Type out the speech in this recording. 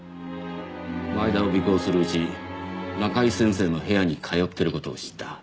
前田を尾行するうち中井先生の部屋に通ってる事を知った。